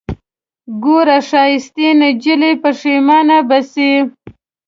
ګوره ښايستې نجلۍ پښېمانه به سې